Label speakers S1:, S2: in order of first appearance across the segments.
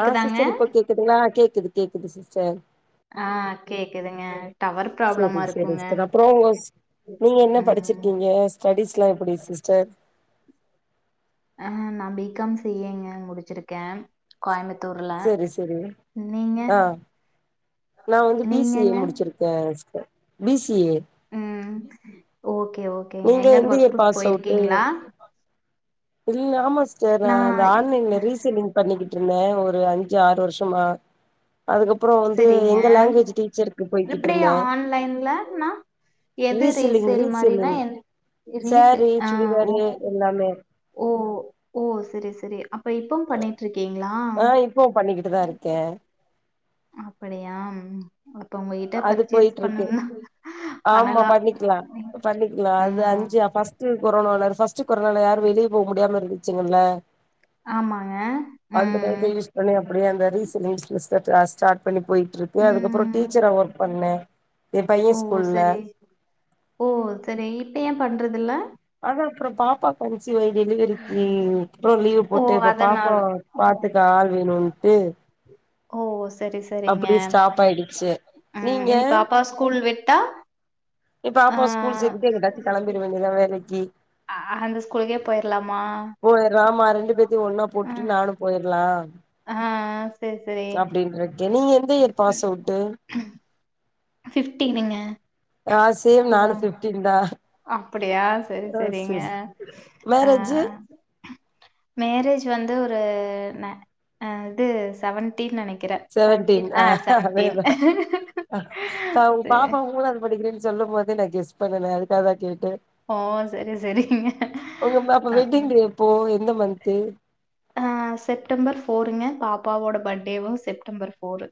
S1: ஆ sister இப்போ கேக்குதுங்கிளா கேக்குது கேக்குது சிஸ்டர்
S2: ஆ கேக்குதுங்க டவர்
S1: செரி
S2: ப்ராப்ளமா
S1: செரி
S2: இருக்குங்க
S1: சிஸ்டர் அப்றோ உங்க நீங்க என்ன படிச்சி
S2: ம்
S1: நீங்க ஸ்டேடிஸ்லா எப்புடி சிஸ்டர்
S2: அ நா பீ காம் சி ஏ ங்க முடிச்சிருக்கே கோயம்புத்தூர்ல
S1: செரி செரி
S2: நீங்க
S1: ஆ நா வந்து பி சி ஏ
S2: நீங்கங்க
S1: முடிச்சிருக்கே சிஸ்டர் பி சி ஏ
S2: ம் ஓகே ஓகேங்க
S1: நீங்க
S2: எங்கயாவது
S1: எந்த இயர்
S2: ஒர்க்குக்கு
S1: பாஸ் அவுட்டு
S2: போயிருக்கீங்களா
S1: இல்ல ஆமா சிஸ்டர்
S2: நா
S1: இந்த ஆன்லைன்ல ரீசேலிங் பண்ணிக்கிட்டுருந்தே ஒரு அஞ்சி ஆறு வருஷமா அதுக்கப்
S2: செரிங்க
S1: போய்கிட்டு
S2: எப்டி
S1: இருந்தே
S2: ஆன்லைன்லனா எது
S1: ரீசெல்லிங்
S2: ரீசேல் மாரினா
S1: ரீசெல்லிங்
S2: ரீசேல்
S1: சேரீ
S2: ஆ ஓ
S1: சுடிதாரு எல்லாமே
S2: ஓ ஓ செரி செரி அப்ப இப்பவு பண்ணிட்ருக்கீங்களா
S1: ஆ இப்பவு பண்ணிக்கிட்டு தா இருக்கே
S2: அப்டியா அப்போ உங்ககிட்ட
S1: அது
S2: பர்ச்சேஸ் பண்ணனுனா பண்ணலா
S1: ண்ணிக்கலா பண்ணிக்கலா அது
S2: ம்
S1: அஞ்சு அ ஃபஸ்ட் கோரோனால ஃபஸ்ட் கோரோனால யாரு வெளிய போமுடியாம இருந்து ச்சுங்கொல்ல
S2: ஆமாங்க ம் ம்
S1: ஒனே அப்புடியே அந்த ரீசு ரீச ஸ்டா ஆ ஸ்டார்ட் பண்ணி போய்ட்டுருக்கு அதுக்கப்புறோ
S2: ம்
S1: டீச்சரா ஒர்க் பண்ணே எ பைய
S2: ஓ
S1: ஸ்கூல்ல
S2: சேரி ஓ சேரி இப்ப ஏ பண்றதுல்ல
S1: அதா அப்புறோ பாப்பா கன்சீவ் ஆய் டெலிவரிக்கு அப்போ லீவு
S2: ஓ
S1: போட்டு இப்போ பாப்போ
S2: அதனால
S1: பாத்துக்க ஆள் வேணும்ன்ட்டு
S2: ஓ சேரி சேரிங்க
S1: ஸ்டாப் ஆயிடுச்சு
S2: ஆ
S1: நீங்க
S2: இனி பாப்பா ஸ் கூல் வெட்டா
S1: ப்ப பாப்பா ஸ்கூல் சேத்திட்டு எங்குடாச்சு கெளம்பிற வேண்டியதுதா வேலைக்கி
S2: அ அந்த ஸ்கூலுக்கே போயிரலாமா
S1: ஒரே ராமா ரெண்டு பேத்யு ஒன்னா
S2: ஆ
S1: போட்டுட் நானு போயிர்லா
S2: ஆ சரி சரி
S1: அப்புடின்ருக்கே நீங்க எந்த ஏர் பாசவுட்டு
S2: பிப்டினுங்க
S1: ஆ சேம் நானு பிப்டின் தா
S2: அப்புடியா சேரி
S1: ஆ
S2: சேரிங்க
S1: செரி
S2: ஆ
S1: மேரேஜு
S2: மேரேஜ் வந்து ஒரு ந அ அது செவன் டீன் நெனைக்கிற செவன்டீன் ஆ செவன்டீன்
S1: அ ஆ உங் பாப்பா மூணாவது படிக்கிறேன்னு சொல்லும் போதே நா கெஸ் பண்ணுனே அதுக்காக தா கேட்ட
S2: ஓ! சரி, சரிங்க.
S1: ஒங்க
S2: அ
S1: [unintelligible] வெய்ட்டிங்
S2: ம்.
S1: டே எப்போ எந்த மந்த்து
S2: ஆ செப்டம்பர் ப்போருங்க பாப்பாவோட பட்டேயு செப்டம்பர் ப்போரு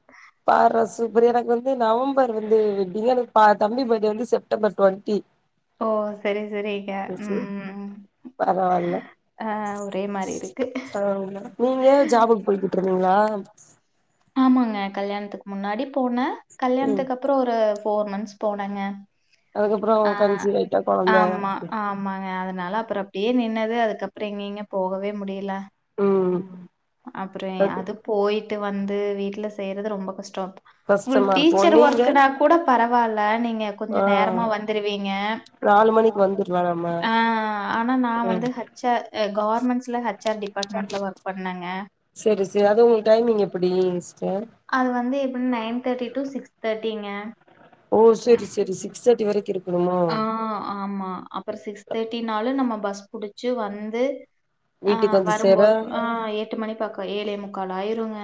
S1: பார சூப்பர் எனக்கு வந்து நவம்பர் வந்து வெட்டிங் எனக்கு ப தம்பி பட்டே வந்து செப்டம்பர் டுவெண்ட்டி
S2: ஓ சேரி சேரிங்க ம்
S1: செரி
S2: ம் ம்
S1: பரவால்ல
S2: ஆ ஒரே மாரி இருக்கு
S1: [unintelligible] நீங்க ஜாபுக்கு போய்கிட்டு இருந்தீங்களா
S2: ஆமாங்க கல்யாணத்துக்கு முன்னாடி போனே
S1: ம்
S2: கல்யாணத்துக்கு அப்புறோ ஒரு ஃபோர் மந்த்ஸ் போனங்க
S1: அதுக்கப்புறோ
S2: ஆ
S1: கன்சீவ் ஆயிட்டா கொழந்த
S2: ஆமா ஆம் ஆமாங்க அதனால அப்புறோ அப்டியே நின்னது அதுக்கப்புறோ எங்கேங்க போகவே முடியல
S1: ம்
S2: அ அப்புறோ அது போயிட்டு வந்து வீட்டுல செய்றது ரொம்ப கஷ்டோ ஒங்களுக்கு
S1: கஷ்டமா இருக்கு
S2: டீச்சர்
S1: நீங்க
S2: ஒர்க்குனா கூட பரவால்ல நீங்க கொஞ்சோ
S1: ஆ
S2: நேரமா வந் த்துருவீங்க
S1: நாலு மணிக்கு வந்துர்லா நம்ம
S2: ஆ ஆனா நா வந்து
S1: ம்
S2: ஹ ச்ஆர் அ கவர்மெண்ட்ஸ்ல ஹச்ஆர் டிபார்ட்மெண்ல ஒர்க் பண்ணேங்க
S1: அப்படிங் சிஸ்டர்
S2: அது வந்து எபன் நைன் தேர்ட்டி டு சிக்ஸ் தேர்ட்டிங்க
S1: ஓ சேரி சேரி சிக்ஸ் தேர்ட்டி வரைக்கு இருக்
S2: ஆ ஆமா அப்புற சிக்ஸ் தேர்ட்டினாலு நம்ம பஸ் புடிச்சு வந்து ஆ
S1: வீட்டுக்கு வந்து சேர
S2: வரும்போது ஆ எட்டு மணி பக்கோ ஏழே முக்கால் ஆயிருங்க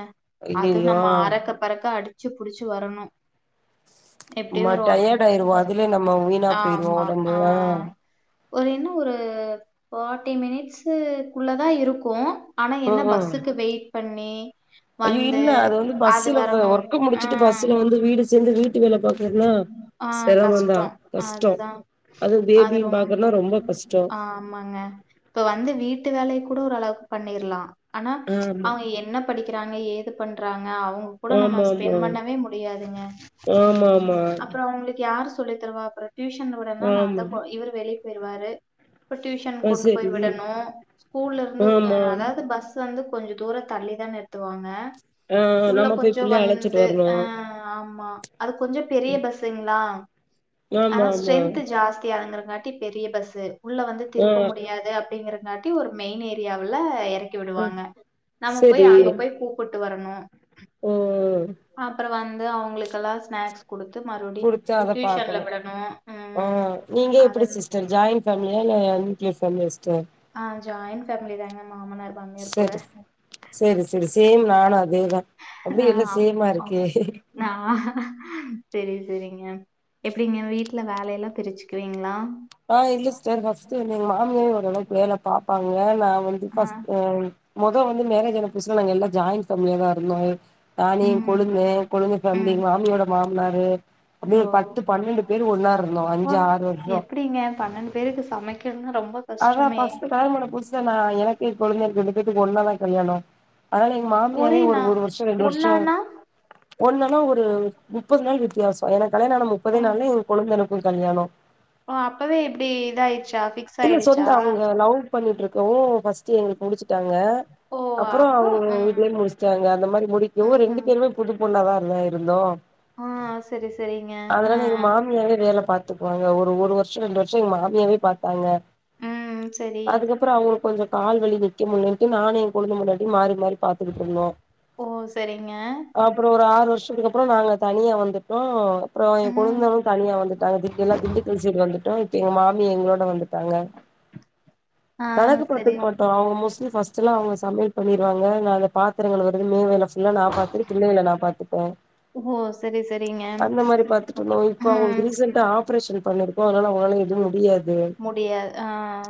S2: அது
S1: ஐயையோ
S2: நம்ம அறக்க பறக்க அடிச்சு புடிச்சு வரணு எப்டியு
S1: நம்ம
S2: ஒரு ஒன்
S1: டயர்ட் ஆயிருவோ அதிலே நம்ம வீணா போயிருவோ ஒடம்பு ஆ
S2: ஒரு என்ன ஒரு ஃபார்ட்டி மினிட்ஸுகுள்ளதா இருக்கு ஆனா என்ன
S1: ம் ம்
S2: பஸ்ஸுக்கு வெயிட் பண்ணி
S1: ஐயோ
S2: வந்து
S1: இல்ல அது வந்து
S2: அது
S1: பஸ்ல
S2: வரணு,
S1: ஒர்க்க முடிச்சுட்டு பஸ்ல
S2: ம்
S1: வந்து வீடு சேந்து வீட்டு வேல பாக்குறதுன்னா
S2: ஆ
S1: செரமந்தா
S2: கஷ்டோ
S1: கஷ்டோ
S2: அதுதா
S1: அதுவு
S2: அது
S1: பேபியு
S2: ரொம்
S1: பாக்கணுனா ரொம்ப கஷ்டோ
S2: ஆமாங்க இப்ப வந்து வீட்டு வேலைய கூட ஓரளவுக்கு பண்ணிரலா ஆனா
S1: ஆமா
S2: அவ என்ன படிக்கிறாங்க ஏது பண்றாங்க அவங்க கூட நம்ம
S1: ஆமா
S2: ஸ்பெண்
S1: ஆமா
S2: பண்ணவே முடியாதுங்க
S1: ஆமாமா
S2: அப்றோ அவங்களுக்கு யார்ரு சொல்லி தருவா டியூஷன்ல விட்றனா நான்தா
S1: ஆமா
S2: போ இவரு வெளிய போயிருவாரு இப்ப டியூஷன்
S1: ஆ
S2: கொண்டு போய்
S1: சரி
S2: விடணு ஸ்கூல்ல இருந்து அ
S1: ஆமா
S2: அதாவது பஸ் ஸ் வந்து கொஞ்ச தூரம் தள்ளிதா நிறுத்துவாங்க
S1: ஆ
S2: உள்ள
S1: நம்ம போய்
S2: கொஞ்சோ
S1: புள்ளைய அழைச்சிட்டு
S2: வந்து
S1: வரணு
S2: அ ஆமா அது கொஞ்சோ பெரிய பஸ்ஸுங்ளா
S1: ஆமா
S2: ஆனா
S1: ஆமா
S2: ஸ்ட்ரென்த் ஜாஸ்தி ஆதுங்கிறங்காட்டி பெரிய பஸ் உள்ள வந்து
S1: ஆ
S2: திருப்ப முடியாது அப்டிங்கற காட்டி ஒரு மெயின் ஏரியாவுல எறக்கி
S1: ஆ
S2: விடுவாங்க நம்ம போய்
S1: சரி
S2: அங்க போய் கூ ப்புட்டு வரணு,
S1: ஓ
S2: அப்பறோ வந்து அவங்களுக்கெல்லா ஸ்நாக்ஸ் குடுத்து மறுபடி
S1: குடுத்து அத
S2: டியூஷன்ல
S1: பாக்கணு
S2: விட
S1: ஆ நீங்க எப்படி சிஸ்டர் ஜாயிண்ட் ஃபமிலியா இல்ல நியூக்ளியர் ஃபேமிலியா சிஸ்டர்
S2: ஆ ஜாயின் ஃபேமிலிதாங்க மாமனார் மாமியார் கூட
S1: சேரி சேரி சேரி சேம் நானு அதேதா அப்டியே எல்லா சேமா இருக்கே
S2: நா சேரி சே ரிங்க எப்டிங்க வீட்ல வேல எல்லா பிரிச்சுக்குவீங்ளா
S1: ஆ இல்ல சிஸ்டர் ஃபர்ஸ்ட்டு வந்து எங்க மாமியாவே ஓரளவுக்கு வேல பாப்பாங்க நா வந்து
S2: ஆ.
S1: ஃபஸ் அ மொத வந்து மேரேஜ் ஆன புதுசுல நாங்க எல்லா ஜாயிண்ட் ஃபேமிலியாதா இருந்தோ இப் நானு எங்
S2: ம்.
S1: கொழுந்தே கொழுந்த ஃபேம்லி
S2: ம்.
S1: மாமியோட மாமனாரு அப்டியே
S2: ஓ!
S1: பத்து பன்னெண்டு பேர் ஒன்னா இருந்தோ அஞ்சு ஆறு வருஷோ
S2: எப்டிங்க பன்ணென்டு பேருக்கு சமைக்கணுன்னா ரொம்ப
S1: அதா
S2: கஷ்டமே!
S1: ஃபர்ஸ்ட் கல்யாணமான புதுசுல நா எனக்கு எ கொழந்தன்க்கு ரெண்டு பேத்துக்கு ஒன்னாதா கல்யாணோ அதனால எங்க மாமியாவே
S2: ஒரே
S1: ஒரு
S2: நா
S1: ஒரு வருஷோ ரெண்டு வருஷோ
S2: ஒண்ணான்னா?
S1: ஒண்ணு ஆனா ஒரு முப்பது நாள் வித்தியாசோ எனக்கு கல்யாண ஆன
S2: ஓ!
S1: முப்பதே நாள்ல எங் கொழுந்தனுக் கு கல்யாணோ
S2: ஓ அப்பவே எப்படி இதாயிடுச்சா ஃபிக்ஸ்
S1: இல்ல
S2: ஆயிடுச்சா?
S1: சொந்த அவங்க லவ் பண்ணிட்டு இருக்கவு ஃபஸ் ட்டு எங்களுக்கு முடிச்சுட்டாங்க
S2: ஓ!
S1: அப்பறோ
S2: அப்போ
S1: அவங்க
S2: ம்.
S1: வீட்லயே முடிச்சிட்டாங்க அந்த மாரி முடிக்கவு ரெண்டு
S2: ம்ஹ்ம்.
S1: பேருமே புதுப்பொண்ணாதான இருந்தோ
S2: ஆ சேரி சேரிங்க
S1: அதனால எங்க மாமியாவே வேல பாத்துக்குவாங்க ஒரு ஒரு வருஷ ரெண்டு வருஷ எங்க மாமியாவே பாத்தாங்க
S2: ம். சரி.
S1: அதுக்கப்பறோ அவங்களுக்கு கொஞ்சோ கால்வலி நிக்க முடியலண்ட்டு நானு எ கொழுந்த பொண்டாட்டியு மாறி மாறி பாத்துக்கிட்டுருந்தோ
S2: ஓ! சரிங்க.
S1: அப்பறோ ஒரு ஆறு வருஷத்துக்கப் பறோ நாங்க தனியா வந்துட்டோ அப்பறோ எ
S2: ம்.
S1: கொழந்தனு தனியா வந்துட்டாங்க திண்டு எல்லா திண்டுக்கல் சைடு வந்துட்டோ எங்க மாமி எங்களோட வந்துட்டாங்க
S2: ஆ
S1: கணக்கு
S2: சரி.
S1: பாத்துக்க மட்டோ அவங்க மோஸ்ட்லி ஃபர்ஸ் ட்லா அவங்க சமையல் பண்ணிருவாங்க நா அந்த பாத்திரங்கழுவுது மே வேல இல்ல நா பாத்து பிள்ளைகள நா பாத்துப்பே
S2: ஓ! சரி, சரிங்க.
S1: அந்த மாரி பாத்துட்டு இருந்தோ
S2: அப்புறம்
S1: இப்ப
S2: ம்.
S1: அவங்களுக்கு ரீசண்ட்டா ஆப்ரேஷன் பண்ணிருக் இப்ப அதனால அவங்களால எதும் முடியாது
S2: முடியாது ஆ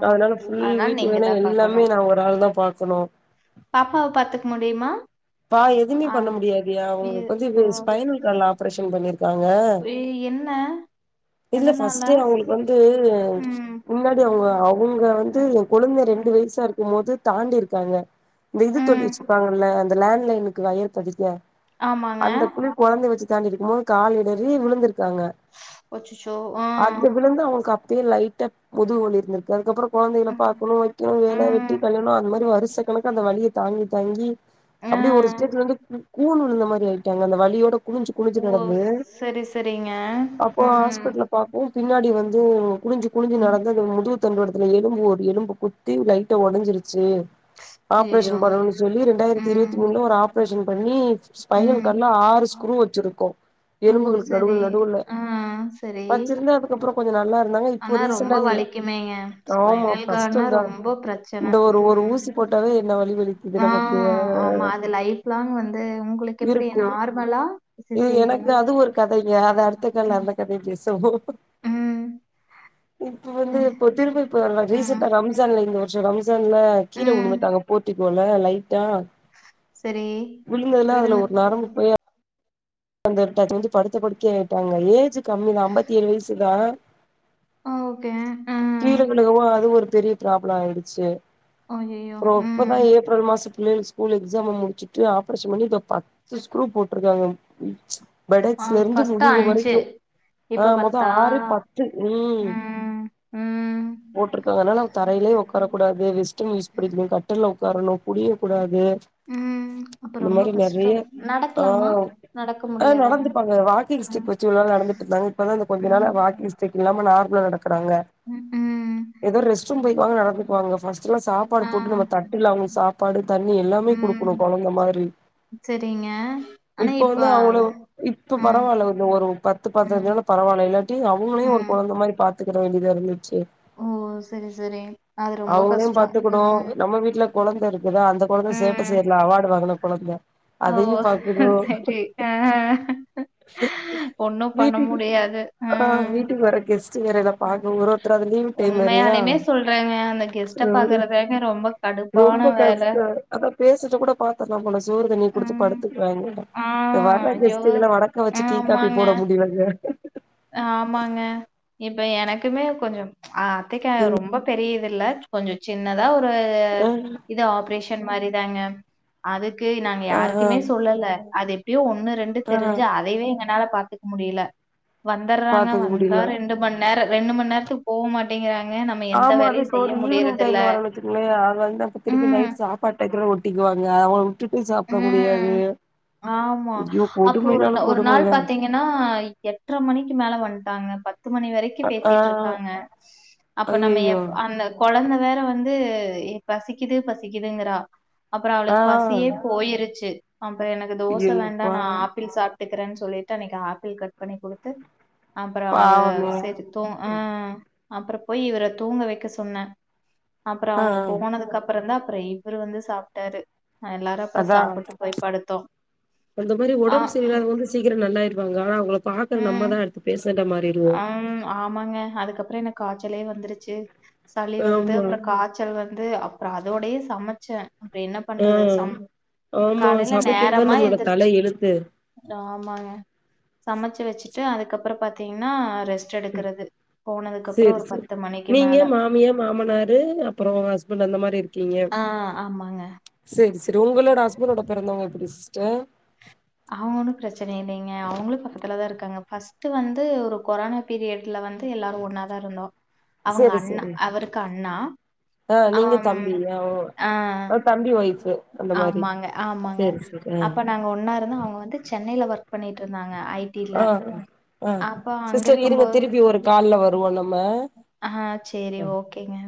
S1: அதனால ஃபுல்
S2: அதனால
S1: வீட்டு வேல
S2: நீங்கதா பாக்கணு
S1: எல்லாமே நா ஒரு ஆள் தான் பாக்கணும்
S2: பாப்பாவ பாத்துக்க முடியுமா
S1: பா எதுவுமே
S2: ஆ
S1: பண்ண முடியாதுயா அவுங்களுக்கு வந்து இது ஸ்பைனல் கார்ட்ல ஆப்ரேஷன் பண்ணிரு
S2: என்ன
S1: இல்ல
S2: எதனால
S1: ஃபர்ஸ்ட்டே அவுங்களுக்கு வந்து
S2: ம்
S1: முன்னாடி அவுங்க அவுங்க வந்து
S2: ம்
S1: கொழந்த ரெண்டு
S2: ம்
S1: வயசா இருக்கும் போது தாண்டி இருக்காங்க இந்த இது தோண்டி
S2: ம்
S1: வச்சிருப்பாங்கல்ல அந்த லேண்ட் லைனுக்கு வயர் பதிக்க
S2: ஆமாங்க
S1: அந்த புல் கொழந்தைய வச்சு தாண்டிட்ருக்கும்போது கால் இடறி விழுந்திருக்காங்க
S2: அச்சச்சோ ஆ
S1: அது விழுந்து அவங்களுக்கு அப்பயே லைட்டா முதுகு வலி இருந்துருக்கு அதுக்கப்றோ குழந்தைகள
S2: ம்
S1: பாக்கணும் வைக்கணும் வேல வெட்டி
S2: ம்
S1: கல்யாணம் அந்த மாதிரி வருசகனாக்கா அந்த வலிய தாங்கி தாங்கி
S2: ஆ
S1: அப்டியே ஒரு ஸ்டேஜ்ல வந்து கூண் விழுந்த மாதிரி ஆயிட்டாங்க அந்த வலியோட குனிஞ்சு குனிஞ்சு நடந்து
S2: நீங்க
S1: பாப்பாவ ஹாஸ்பிட்டல்ல பாப்போ பின்னாடி வந்து குனிஞ்சு குனிஞ்சு
S2: ம்
S1: நடந்து அந்த முதுகு தண்டுவடத்துல எலும்பு ஒரு எலும்பு குத்தி லைட்டா ஒடஞ்சிருச்சு
S2: ஐயயோ
S1: ஆப்ரேஷன் பண்ணனு சொல்லி ரெண்டாயிரத்தி
S2: ம்
S1: இருவத்தி ஒரு ஆப்ரேஷன் பண்ணி ஸ்பைனல்
S2: ம்
S1: கார்ட்ல ஆறு ஸ்க்ரூ வச்சிருக்கோம்
S2: ஓ
S1: எலும்புகளுக்கு நடுவுல
S2: சரி
S1: நடுவுல
S2: ஆ சரி
S1: வச்சிருந்த அதுக்கப்புறோ கொஞ்சோ நல்லா இருந்தாங்க இப்போ
S2: ஆனா
S1: ரீசெண்டா
S2: ரொம்ப
S1: இந்த
S2: வலிக்குமேங்க
S1: ஆமா
S2: ஸ்பைனல் கார்ட்னா
S1: கஷ்டந்தா
S2: ரொம்ப பிரச் சன
S1: இந்த ஒரு ஒரு
S2: ம்
S1: ஊசி போட்டாவே என்ன வலி வலிக்குது
S2: ஆ
S1: நமக்கு
S2: ஆமா இந்த லைஃப் லாங் வந்து உங்களுக்கு எப்டி
S1: இருக்கு
S2: நார்மலா சிசேரியனா
S1: ட்டைங்க அத அடுத்து கால்ல
S2: ம்
S1: அந்த கதய பேசுவோம்
S2: ம்
S1: இப்ப வந்து இப்ப திரும்ப இப்ப வ ரீசெண்டா ரம்சான்ல இந்த வருஷம் ரம்சான்ல கீழ
S2: ம்
S1: விழுந்துட்டாங்க போட்டி போல லைட்டா
S2: சரி
S1: விழுந்ததுல்ல அதுல
S2: விருந்து
S1: ஒரு நரம்பு போய் அந்த [unintelligible] படுத்த படுக்கை ஆயிட்டாங்க ஏஜ் கம்மிதான் அம்பத்தி ஏழு வயசுதான்
S2: ஆ ஓகே ம்
S1: கீழ விழுகவும் அது ஒரு பெரிய ப்ராப்ளம் ஆயிடுச்சு
S2: அய்யய்யோ
S1: அப்புறம்
S2: ம்
S1: இப்பதான் ஏப்ரல் மாச புள்ளைகளுக்கு ஸ்கூல் ஸ்கூல் எக்ஸாம முடிச்சுட்டு ஆப்ரேஷன் பண்ணி இப்ப பத்து ஸ்க்ரூ போட்ருக்காங்க
S2: ஆ
S1: பெடக்ஸ்ல இருந்து
S2: ஃபஸ்ட்டு
S1: முதுகு
S2: அஞ்சு
S1: வரைக்கும் ஆ
S2: இப்ப பத்தா
S1: மொத்தம் ஆறு பத்து உம்
S2: ம் ம்
S1: போட்ருக்கதனால அவுங்க தரையிலயே உக்காரக் கூடாது நியூஸ் படிக்கனும் கட்டல்ல உக்காரணும் புடியக் கூடாது
S2: ம் அப்ப
S1: இந்த
S2: ரொம்ப
S1: மாரி
S2: கஷ்டோ
S1: நெறைய ஆ
S2: நடக்கலாமா நடக்க
S1: ஆ
S2: முடியாதா
S1: நடந்துப்பாங்க வாக்கிங் ஸ்டிக்
S2: ம்
S1: வச் [unintelligible] நடந்துட்டு இருந்தாங்க இப்பதான் இந்த கொஞ்ச நாளா
S2: ம்
S1: வாக்கிங் ஸ்டிக் இல்லாம நார்மலா நடக்குறாங்க
S2: ம் ம்
S1: எதோ ரெஸ்ட் ரூம் போய்க்குவாங்க நடந்து க்குவாங்க ஃபர்ஸ்ட்லாம் சாப்பாடு
S2: ஆ,
S1: போட்டு நம்ம தட்டுல அவுங்க சாப்பாடு தண்ணி எல்லாமே குடுக்கணும்
S2: ம்.
S1: கொழந்த மாதிரி
S2: சரிங்க ஆனா
S1: இப்போ
S2: இப்ப
S1: வந்து அவங்கள இப்ப
S2: ம்,
S1: பரவால்ல ஒரு ஒரு பத்து பதினஞ்சு
S2: ம்,
S1: நாளா பரவாயில்ல இல்லாட்டி அவுங்களையும் ஒரு
S2: ம்.
S1: கொழந்த மாதிரி பாத் துக்குற வேண்டியதா இருந்துச்சு
S2: ஓ சரி சரி அது ரொம்ப
S1: அவுங்களையும்
S2: கஷ்டம்.
S1: பாத்துக்கணு
S2: ம்,
S1: நம்ம வீட்டுல கொழந்த இருக்குதா அந்த கொழந்த சேட்ட
S2: ம்.
S1: செய்றதுல அவார்டு வாங்குன கொழந்த
S2: ஓ
S1: அதையு பாக்கணு
S2: சேரி சேரி அ அ ஒண்ணும் பண்ண முடியாது
S1: அ
S2: ம்.
S1: வீட்டுக்கு வர கெஸ்ட் வேற எதாது பாக்கனு ஒரு ஒருத்தரா அது லீவு
S2: உண்மையாலயுமே சொல்றங்க அந்த கெஸ்ட்ட பாக்குற வேல ரொம்ப கடுப்பான
S1: ரொம்ப
S2: வேல
S1: கஷ்ட அதா பேசிட்டு கூட பாத்துர்லா போல சோறுத் தண்ணி குடுத்து
S2: ம்.
S1: படுத்துக்குறாங்க
S2: ஆ,
S1: அ வர்ற
S2: ஐயோ!
S1: கெஸ்டுகள வணக்க வச்சு டீ காப்பி
S2: ஆமாங்க.
S1: போட முடியலங்க
S2: ஆமாங்க இப்ப எனக்குமே கொஞ்சோ அ அத்தைக்கா ரொம்ப பெரியது இல்ல கொஞ்ச சின்னதா ஒரு
S1: ஆ
S2: இது ஆப்ரேஷன் மாரி தாங்க அதுக்கு நாங்க
S1: ஆ
S2: யாருக்குமே சொல்லல அது எப்டியோ ஒண்ணு ரெண்டு
S1: ஆ
S2: தெரிஞ்சு அதைவே எங்கனால பாத்து முடில வந்தர்றாங்க
S1: பாத்துக்க
S2: வந்தா
S1: முடியல
S2: ரெண்டு மணி நேரோ ரெண்டு மணி நேரத்துக்கு போ மாட்டேங்கிறாங்க நம்ம எந்த
S1: ஆமா அது
S2: வேலையும்
S1: இப்ப
S2: செய்ய
S1: ஒரு ஈவினிங்
S2: முடியறதில்ல.
S1: டைம்ல வரோனு வச்சுங்களே அது வந்து அப்ப திருப்பி
S2: ம்,
S1: நைட் சாப் பட்டயத்துல ஒட்டிக்குவாங்க அவுங் விட்டுட்டு சாப்ட
S2: ம்.
S1: முடியாது
S2: ஆமா.
S1: அய்யோ கொடுமைனாலு கொடுமங்க
S2: ன்னா எட்டர மணிக்கு மேல வந்ட்டாங்க பத்து மணி வரை கி
S1: அ ஆ
S2: பேசிட்டு இருக்காங்க அப்ப நம்ம
S1: ஐயையோ
S2: எப் அந்த கொழந்த வேற வந்து எ பசிக்குது பசிக்குதுங்கிறா அப்பறோ
S1: ஆ
S2: அவளுக்கு பசியே போயிருச்சு அப்பறோ எனக்கு தோச வேண்டா
S1: ஐயையோப்பா
S2: நா ஆப்பிள் சாப் த்துக்கிறேன்னு சொல்லிட்டு அன்னைக்கு ஆப்பிள் கட் பண்ணி குடுத்து அப்றோ அவ
S1: பாவமே
S2: செரி தூங் அ அப்றே போய் இவர தூங்க வைக்க சொன்னே அப்றோ
S1: ஆ
S2: போனதுக்கு அப்பறோ தா அப்பறோ இவரு வந்து சாப்ட்டாரு அ எல்லாரு அப்றோ
S1: அதா
S2: சாப்பிட்டு போய் படுத்தோ அ ம்
S1: கிற நல்லாய்ருவாங்க ஆனா அவுங்கள பாக்குற நம்ம தா அடுத்து பேசன்டா மாரிருவோ
S2: ஆம் ஆமாங்க அதுக்கப்பற எனக்கு காச்சலயே வந்துருச்சு சளி வந்து
S1: ஆமா
S2: அப்றோ காச் பெறகு வந்து அப்றோ அதோடைய சமைச்சே அப்றோ என்னப்
S1: ஆ
S2: பண்றது சம்
S1: ஆமா
S2: காலேல
S1: சமைக்கிறதுதா
S2: நேரமா
S1: நம்மளோட தல
S2: எந்திருச்சு
S1: எழுத்து
S2: ஆமாங்க சமச்சு வச்சுட்டு அதுக்கப்பறோ பாத்தீங்கன்னா ரெஸ்ட் ட்ற எடுக்கிறது போனதுக்கு அப்பறோ
S1: சேரி
S2: ஒரு
S1: சேரி
S2: பத்து மணிக்கு
S1: நீங்க
S2: மேல
S1: மாமியா மாமனாரு அப் அப்றோ ஹ்ஸ்பண்ட் அந்த மாரி இருக்
S2: அ ஆமாங்க
S1: சேரி சேரி உங்களோட ஹஸ்பண்ட்டோட பிறந்தவுங்க எப்டி சிஸ்டர்
S2: அவுங்க ஒன்னு பிரெச்சன இல்லீங்க அவுங்களு பக்கத்துல தா இருக்காங்க ஃபஸ்ட்டு வந்து ஒரு கொரோனா பீரியட்ல வந்து எல்லாரு ஒன்னாதா இருந்தோ அவுங்க
S1: செரி
S2: அண்ணா
S1: செரி
S2: அவருக்கு அண்ணா
S1: ஆ நீங்க
S2: ஆம்
S1: தம்பி ஆ ஓ
S2: ஆ
S1: தம்பி ஒய்ஃபு அந்த மாரி
S2: ஆமாங்க ஆமாங்க
S1: செரி செரி
S2: அப்ப நாங்க ஒன்னா இருந்தோ அவுங்க வந்து சென்னைல ஒர்க் பண்ணிட்டு இருந்தாங்க ஐ டி ல
S1: அ சிஸ்டர் இருங்க திருப்பி ஒரு கால்ல வருவோ நம்ம
S2: ஆ சேரி
S1: ம்
S2: ஓகேங்க